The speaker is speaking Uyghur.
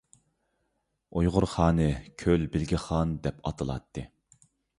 ئۇيغۇر خانى «كۆل بىلگە خان» دەپ ئاتىلاتتى.